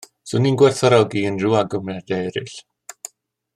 'Swn i'n gwerthfawrogi unrhyw awgrymiadau eraill